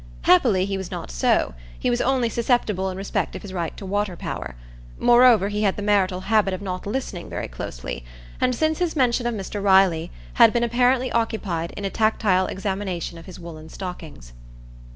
Happily he was not so; he was only susceptible in respect of his right to water power; moreover, he had the marital habit of not listening very closely, and since his mention of Mr Riley, had been apparently occupied in a tactile examination of his woollen stockings.